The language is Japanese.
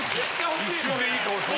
一瞬でいい顔した。